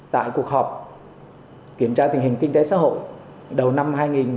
tại cuộc họp kiểm tra tình hình kinh tế xã hội đầu năm hai nghìn một mươi chín